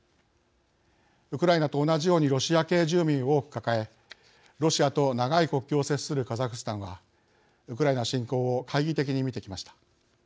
ウクライナと同じようにロシア系住民を多く抱えロシアと長い国境を接するカザフスタンはウクライナ侵攻を懐疑的に見てきました。